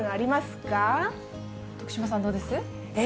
徳島さん、どうです？